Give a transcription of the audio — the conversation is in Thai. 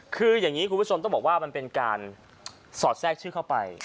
คืออย่างนี้คุณผู้ชมต้องบอกว่ามันเป็นการสอดแทรกชื่อเข้าไป